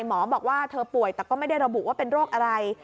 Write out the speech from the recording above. หมอบอกว่าเธอป่วยแต่ก็ไม่ได้ระบุว่าเป็นโรคอะไร